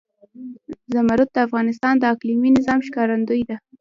زمرد د افغانستان د اقلیمي نظام ښکارندوی ده.